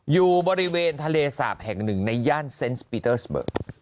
อยู่บริเวณทะเลสาบแห่งหนึ่งในย่านเซ็นต์ปีเตอร์สเบิก